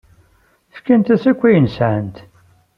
Fkant-as akk ayen sɛant.